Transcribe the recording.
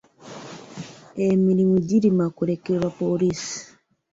Emirimu girima kulekerwa poliisi.